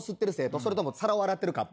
それとも皿を洗ってるカッパ？